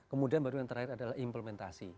kemudian baru yang terakhir adalah implementasi